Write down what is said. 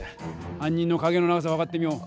犯人の影の長さをはかってみよう。